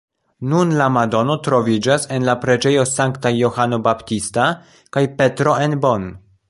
Nun la madono troviĝas en la preĝejo Sanktaj Johano Baptista kaj Petro en Bonn.